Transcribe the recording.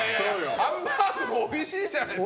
ハンバーグもおいしいじゃないですか。